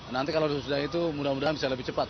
nanti kalau sudah itu mudah mudahan bisa lebih cepat